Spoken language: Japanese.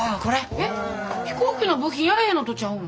えっ飛行機の部品やらへんのとちゃうの？